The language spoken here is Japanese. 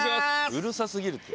うるさすぎるって。